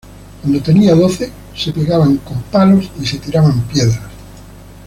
Cuando tenían doce, se pegaban con palos y se tiraban piedras.